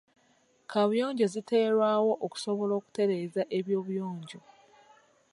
Kaabuyonjo ziteerwawo okusobola okutereeza eby'obuyonjo.